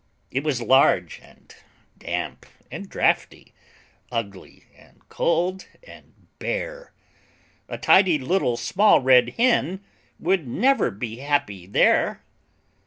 It was large and damp and draughty, Ugly and cold and bare; A tidy Little Small Red Hen Would never be happy there.